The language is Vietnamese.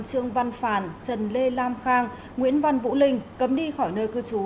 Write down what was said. trương văn phàn trần lê lam khang nguyễn văn vũ linh cấm đi khỏi nơi cư trú